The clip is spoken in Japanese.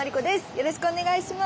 よろしくお願いします。